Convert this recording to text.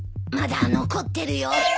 まだ残ってるよ。